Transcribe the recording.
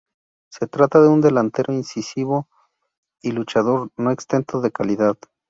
Se trata de un delantero incisivo y luchador, no exento de calidad.